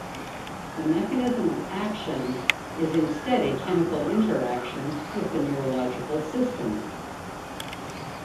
The mechanism of action is instead a chemical interaction with the neurological system.